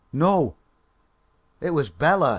No; it was Bela!